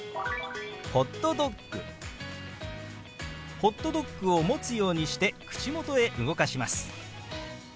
ホットドッグを持つようにして口元へ動かします。